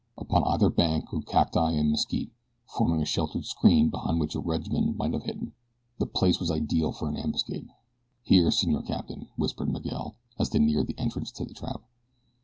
Upon either bank grew cacti and mesquite, forming a sheltering screen behind which a regiment might have hidden. The place was ideal for an ambuscade. "Here, Senor Capitan," whispered Miguel, as they neared the entrance to the trap.